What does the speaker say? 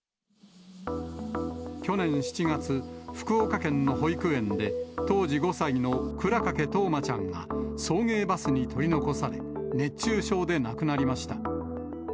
去年７月、福岡県の保育園で、当時５歳の倉掛冬生ちゃんが送迎バスに取り残され、熱中症で亡くなりました。